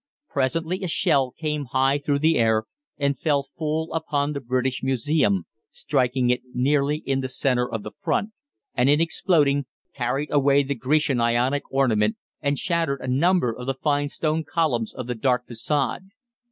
Presently a shell came high through the air and fell full upon the British Museum, striking it nearly in the centre of the front, and in exploding carried away the Grecian Ionic ornament, and shattered a number of the fine stone columns of the dark façade.